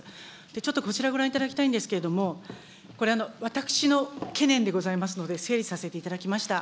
ちょっとこちらご覧いただきたいんですが、これ、私の懸念でございますので、整理させていただきました。